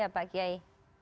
ya pak kiai